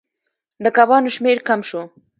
د کبانو شمیر کم شو.